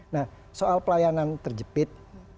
nah soal pelayanan terjepit